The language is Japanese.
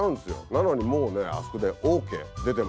なのにもうねあそこでＯＫ出てますから。